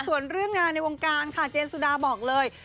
ส่วนเรื่องงานในวงการค่ะเจนสุดาบอกเลย